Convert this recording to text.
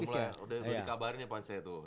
udah mulai udah di kabarnya pak saya tuh